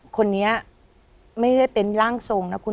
คนนี้ไม่ได้เป็นร่างทรงนะคุณ